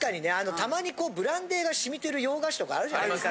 たまにブランデーがしみてる洋菓子とかあるじゃないですか。